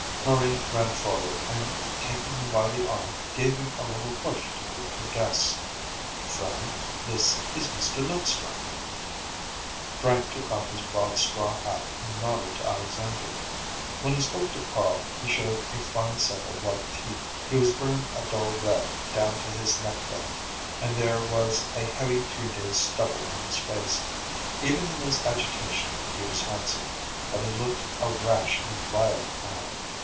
Marie ran forward, and, taking him by the arm, gave him a little push toward her guests. "Frank, this is Mr. Linstrum." Frank took off his broad straw hat and nodded to Alexandra. When he spoke to Carl, he showed a fine set of white teeth. He was burned a dull red down to his neckband, and there was a heavy three days' stubble on his face. Even in his agitation he was handsome, but he looked a rash and violent man.